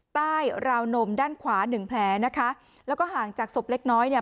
ใต้ราวนมด้านขวาหนึ่งแผลนะคะแล้วก็ห่างจากศพเล็กน้อยเนี่ย